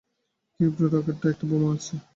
Crypto, রকেটটায় একটা বোমা আছে।